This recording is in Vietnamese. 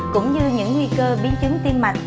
cũng như những nguy cơ biến chứng tiên mạch